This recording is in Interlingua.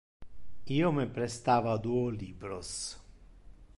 Io me prestava duo libros.